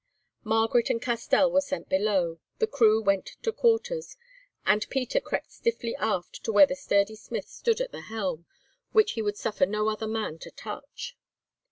Margaret and Castell were sent below, the crew went to quarters, and Peter crept stiffly aft to where the sturdy Smith stood at the helm, which he would suffer no other man to touch.